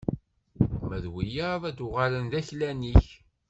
Ma d wiyaḍ ad uɣalen d aklan-ik!